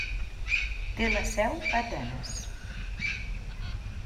Té la seu a Atenes.